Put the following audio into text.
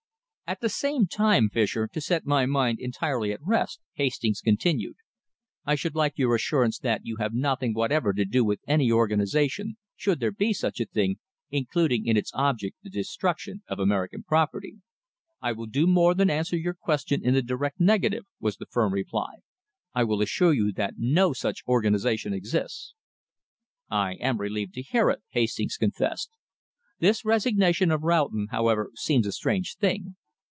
"At the same time, Fischer, to set my mind entirely at rest," Hastings continued, "I should like your assurance that you have nothing whatever to do with any organisation, should there be such a thing, including in its object the destruction of American property." "I will do more than answer your question in the direct negative," was the firm reply. "I will assure you that no such organisation exists." "I am relieved to hear it," Hastings confessed. "This resignation of Roughton, however, seems a strange thing.